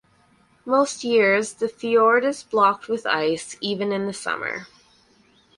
Most years the fjord is blocked with ice even in the summer.